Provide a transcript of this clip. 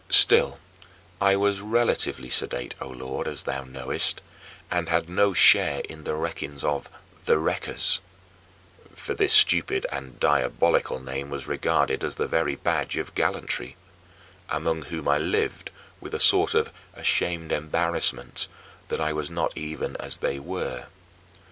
Still I was relatively sedate, O Lord, as thou knowest, and had no share in the wreckings of "The Wreckers" (for this stupid and diabolical name was regarded as the very badge of gallantry) among whom I lived with a sort of ashamed embarrassment that I was not even as they were.